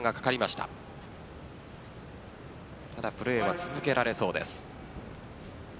ただ、プレーは続けられそうです。